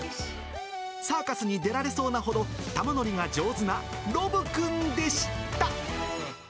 サーカスに出られそうなほど、玉乗りが上手なロブくんでした。